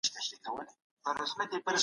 کوم توري یوازې په عربي ژبه کي سته؟